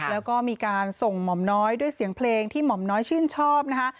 แล้วก็มีการส่งหม่อมน้อยด้วยเสียงเพลงที่หม่อมน้อยชื่นชอบนะคะ